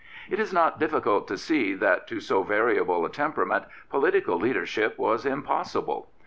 It is not difficult to see that to so variable a tem perament, political leadership was impossible.